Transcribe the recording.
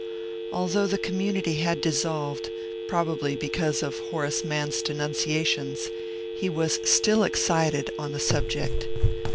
Although the community had dissolved, probably because of Horace Mann's denunciations, he was still excited on the sub ject.